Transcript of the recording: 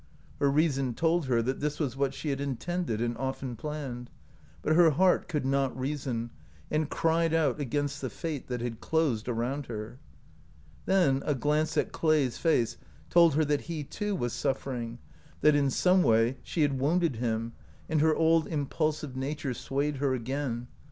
Her reason told her that this was what she had intended and often planned ; but her heart could not reason, and cried out against the fate that had closed around her. Then a glance at Clay's face told her that he too was suffering, that in some way she OUT OF BOHEMIA had wounded him, and her old impulsive nature swayed her again.